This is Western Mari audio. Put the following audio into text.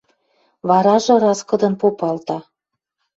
Варажы раскыдын попалта: